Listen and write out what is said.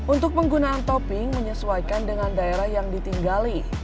untuk penggunaan topping menyesuaikan dengan daerah yang ditinggali